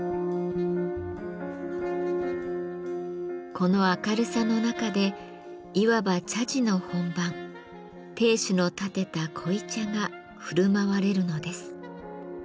この明るさの中でいわば茶事の本番亭主のたてた濃茶がふるまわれるのです。